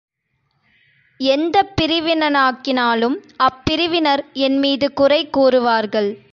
எந்தப் பிரிவினனாக்கினாலும் அப் பிரிவினர் என்மீது குறை கூறுவார்கள்.